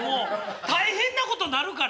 大変なことなるから。